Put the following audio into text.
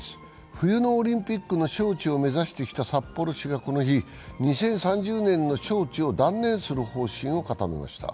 冬のオリンピックの招致を目指してきた札幌市がこの日、２０３０年の招致を断念する方針を固めました。